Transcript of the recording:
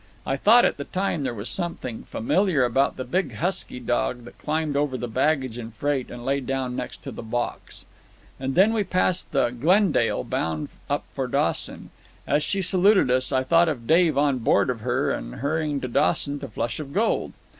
I thought at the time that there was something familiar about the big husky dog that climbed over the baggage and freight and lay down next to the box. And then we passed the Glendale, bound up for Dawson. As she saluted us, I thought of Dave on board of her and hurrying to Dawson to Flush of Gold.